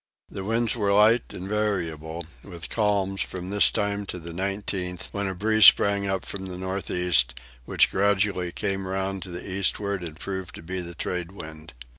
The winds were light and variable with calms from this time to the 19th, when a breeze sprang up from the north east, which gradually came round to the eastward and proved to be the tradewind.